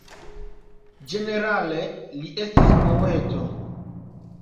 Ĝenerale li estis poeto.